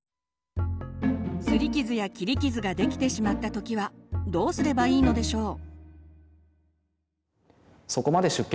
すり傷や切り傷ができてしまった時はどうすればいいのでしょう？